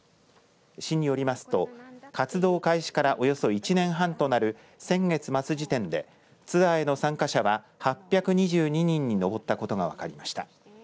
市によりますと活動開始からおよそ１年半となる先月末時点でツアーへの参加者は８２２人に上ったことが分かりました。